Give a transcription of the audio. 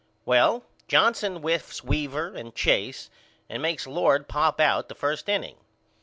Well, Johnson whiffs Weaver and Chase and makes Lord pop out the first inning.